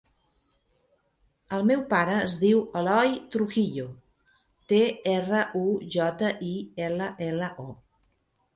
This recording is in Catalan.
El meu pare es diu Eloi Trujillo: te, erra, u, jota, i, ela, ela, o.